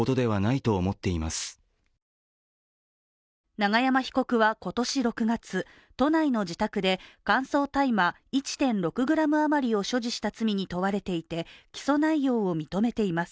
永山被告は今年、都内の自宅で乾燥大麻１．６ｇ余りを所持した罪に問われていて起訴内容を認めています。